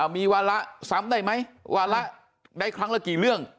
มีวาระซ้ำได้ไหมวาระได้ครั้งละกี่เรื่อง